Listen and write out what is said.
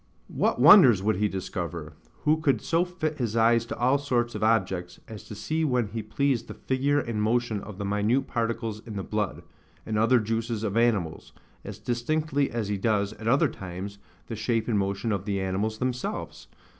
What wonders would he discover, who could so fit his eyes to all sorts of objects, as to see when he pleased the figure and motion of the minute particles in the blood, and other juices of animals, as distinctly as he does, at other times, the shape and motion of the animals themselves?